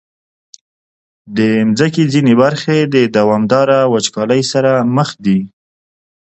د مځکې ځینې برخې د دوامداره وچکالۍ سره مخ دي.